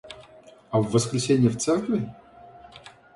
А в воскресенье в церкви?